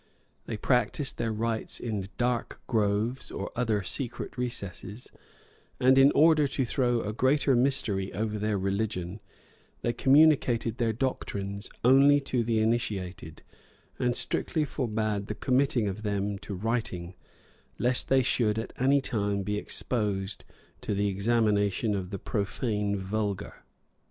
They practised their rites in dark groves or other secret recesses;[*] and in order to throw a greater mystery over their religion, they communicated their doctrines only to the initiated, and strictly forbade the committing of them to writing, lest they should at any time be exposed to the examination of the profane vulgar.